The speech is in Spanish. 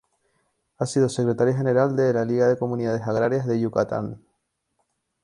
Ha sido secretario general de la "Liga de Comunidades Agrarias" de Yucatán.